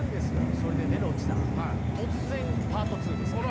それでねロッチさん突然パート２ですけどね。